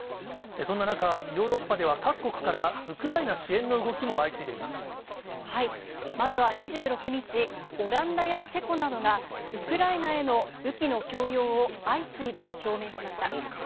そんな中、ヨーロッパでは各国からウクライナ支援の動きも相次いまずは２６日、オランダやチェコなどが、ウクライナへの武器の供与を相次いで表明しました。